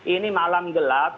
ini malam gelap